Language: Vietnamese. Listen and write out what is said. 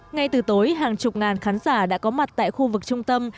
ngay từ tối hàng chục ngàn khán giả đã có mặt tại khu vực trung tâm